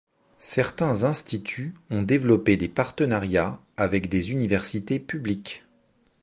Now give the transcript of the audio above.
Certains instituts ont développé des partenariats avec des universités publiques.